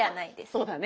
そうだね。